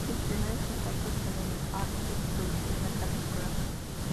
Sus primeros contactos con el arte se produjeron en la etapa escolar.